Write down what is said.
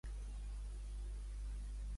On tenia rellevància Mezulla?